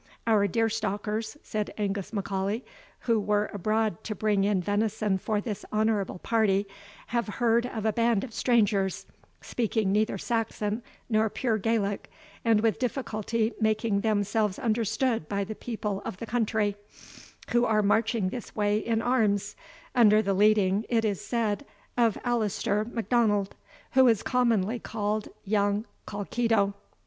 "Our deer stalkers," said Angus M'Aulay, "who were abroad to bring in venison for this honourable party, have heard of a band of strangers, speaking neither Saxon nor pure Gaelic, and with difficulty making themselves understood by the people of the country, who are marching this way in arms, under the leading, it is said, of Alaster M'Donald, who is commonly called Young Colkitto."